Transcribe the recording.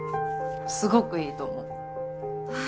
すごくいいと思う。